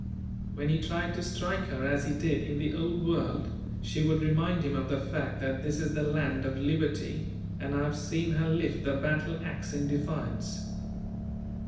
When he tried to strike her as he did in the Old World she would remind him of the fact that this is the land of liberty, and I have seen her lift the battle axe in defiance.